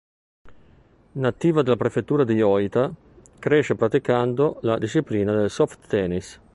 Nativa della prefettura di Ōita, cresce praticando la disciplina del soft tennis.